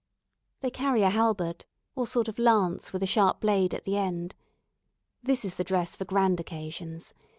They carry a halberd, or sort of lance with a sharp blade at the end. This is the dress for grand occasions.